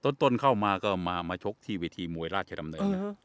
ต้นต้นเข้ามาก็มามาชกที่วิธีมวยราชดำเนินอืม